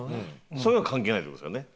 そういうのは関係ないって事ですよね？